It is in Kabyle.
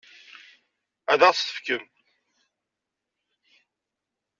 Ad ɣ-tt-tefkem?